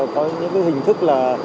có những hình thức